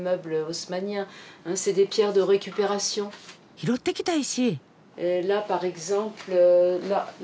拾ってきた石！